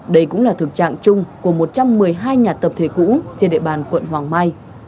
đây cũng là thực trạng chung của một trăm một mươi hai nhà tập thể cũ trên địa bàn quận hoàng mai